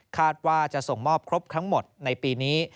ว่าจะส่งมอบครบทั้งหมดในปีนี้